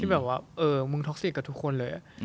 แบบว่าเออมึงท็อกซิกกับทุกคนเลย